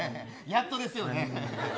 やっとですよね。